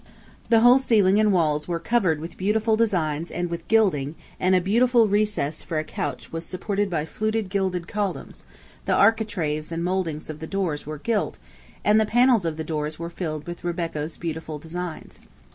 The whole ceiling and walls were covered with beautiful designs and with gilding, and a beautiful recess for a couch was supported by fluted gilded columns; the architraves and mouldings of the doors were gilt, and the panels of the doors were filled with Rebecco's beautiful designs.